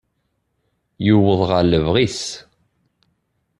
Yuweḍ ɣer lebɣi-s.